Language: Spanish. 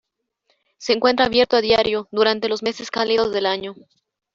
Se encuentra abierto a diario durante los meses cálidos del año.